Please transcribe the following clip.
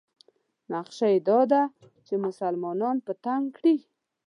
نقشه یې دا ده چې مسلمانان په تنګ کړي.